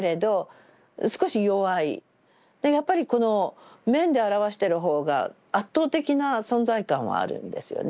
やっぱりこの面で表してるほうが圧倒的な存在感はあるんですよね。